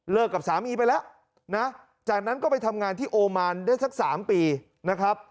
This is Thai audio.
กับสามีไปแล้วนะจากนั้นก็ไปทำงานที่โอมานได้สัก๓ปีนะครับ